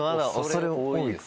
恐れ多い？